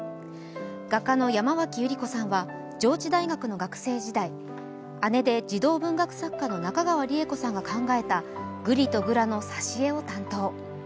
画家の山脇百合子さんは、上智大学の学生時代、姉で児童文学作家の中川李枝子さんが考えた「ぐりとぐら」の挿絵を担当。